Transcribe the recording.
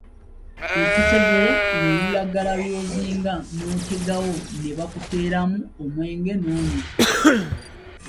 Ekitegere lwe lulagala lw’ozinga n’olutegawo ne bakuteeramu omwenge n’onywa.